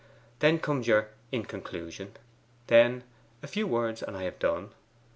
Then comes your In Conclusion, then A Few Words And I Have Done.